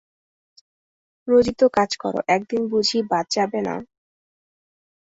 রোজই তো কাজ করো, একদিন বুঝি বাদ যাবে না?